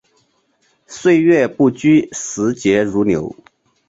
岁月不居，时节如流。